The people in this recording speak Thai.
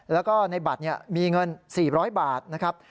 แล้วก็ในบัตรมีเงิน๔๐๐บาทนะครับ